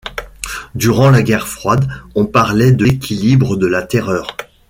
Durant la guerre froide, on parlait de l'équilibre de la terreur.